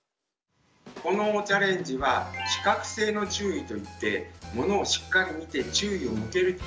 このチャレンジは視覚性の注意といってものをしっかり見て注意を向けるという機能を見ます。